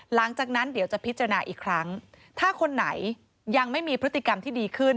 หลังจากนั้นเดี๋ยวจะพิจารณาอีกครั้งถ้าคนไหนยังไม่มีพฤติกรรมที่ดีขึ้น